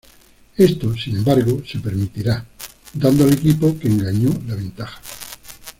Esto, sin embargo, se permitirá, dando al equipo que engañó la ventaja.